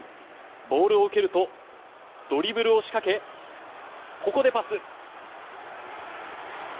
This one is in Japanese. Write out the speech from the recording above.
ボールを受けるとドリブルを仕掛け、ここでパス。